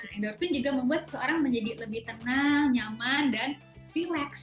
endorfin juga membuat seseorang menjadi lebih tenang nyaman dan vilage